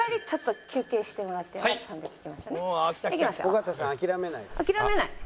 「尾形さん諦めないです」。